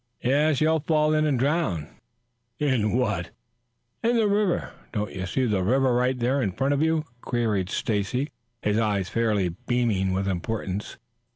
"Yes, you'll fall in and drown." "In what?" "In the river. Don't you see the river right there in front of you?" queried Stacy, his eyes fairly beaming with importance.